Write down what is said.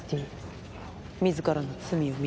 自らの罪を認めろ。